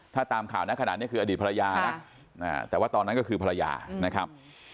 ถ้าตามข่าวนะขนาดนี้คืออดีตภรรยานะแต่ว่าตอนนั้นก็คือภรรยานะครับ